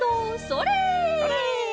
それ！